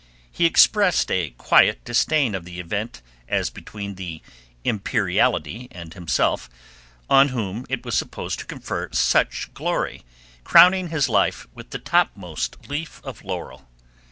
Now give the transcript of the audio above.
He expressed a quiet disdain of the event as between the imperiality and himself, on whom it was supposed to confer such glory, crowning his life with the topmost leaf of laurel.